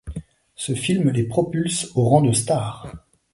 Ce film les propulse au rang de stars.